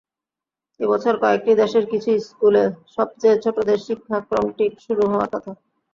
এ বছর কয়েকটি দেশের কিছু স্কুলে সবচেয়ে ছোটদের শিক্ষাক্রমটি শুরু হওয়ার কথা।